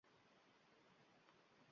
Qismatingni o’ylarman.